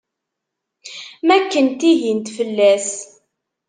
Mi akken tihint fell-as.